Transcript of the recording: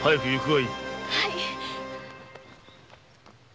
はい。